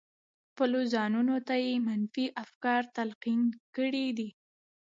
خپلو ځانونو ته يې منفي افکار تلقين کړي دي.